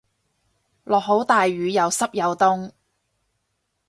落好大雨又濕又凍